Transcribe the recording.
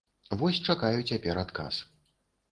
Вось чакаю цяпер адказ.